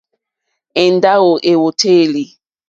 Èndáwò èwòtélì.